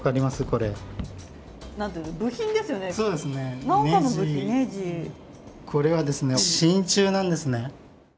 これはですね真鍮なんですね。